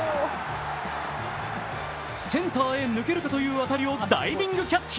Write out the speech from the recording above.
センターへ抜けるかという当たりをダイビングキャッチ。